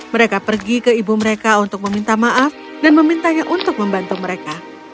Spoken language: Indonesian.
mereka pergi ke ibu mereka untuk meminta maaf dan memintanya untuk membantu mereka